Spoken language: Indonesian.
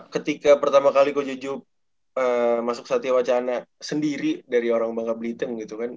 ketika pertama kali ko jj masuk satya wacana sendiri dari orang bangka belitung gitu kan